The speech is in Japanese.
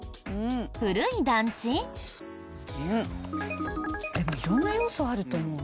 古い団地？でも色んな要素あると思うな。